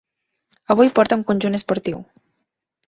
Avui porta un conjunt esportiu.